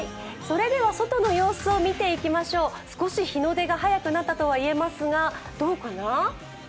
外の様子を見ていきましょう、少し日の出が早くなったとはいえますが、どうかな？